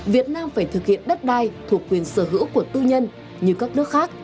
việt nam phải thực hiện đất đai thuộc quyền sở hữu của tư nhân như các nước khác